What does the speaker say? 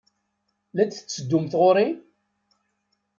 La d-tetteddumt ɣer-i?